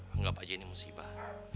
enggak apa aja ini musibah